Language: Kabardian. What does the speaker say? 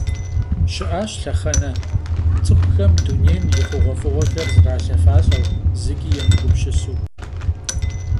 Şı'aş lhexhene ts'ıxuxem dunêym yi xhuğuef'ığuexer zralhefalh'eu, zıç'i yêmıgupsısu.